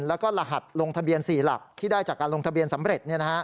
แล้วก็รหัสลงทะเบียน๔หลักที่ได้จากการลงทะเบียนสำเร็จ